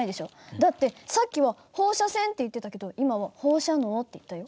だってさっきは「放射線」って言ってたけど今は「放射能」って言ったよ。